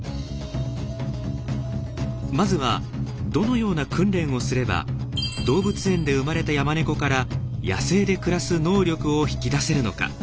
まずはどのような訓練をすれば動物園で生まれたヤマネコから野生で暮らす能力を引き出せるのか。